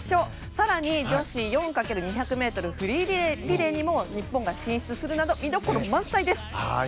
更に、女子４×２００ｍフリーリレーにも日本が進出するなど見どころ満載です。